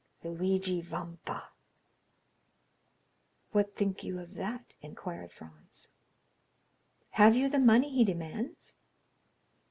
_ "'Luigi Vampa.'" "What think you of that?" inquired Franz. "Have you the money he demands?"